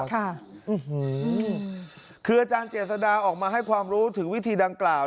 คืออาจารย์เจษดาออกมาให้ความรู้ถึงวิธีดังกล่าว